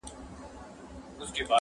هره شپه چي تېرېده ته مي لیدلې،